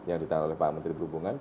yang ditandatangani pak kapori